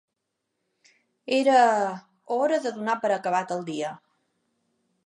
Era... hora de donar per acabat el dia.